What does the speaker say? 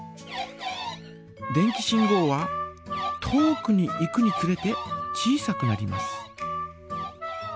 電気信号は遠くに行くにつれて小さくなります。